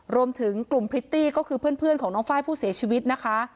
รวมถึงกลุ่มพริตตี้ก็คือเพื่อนของน้องไฟล์ผู้เสียชีวิตนะคะ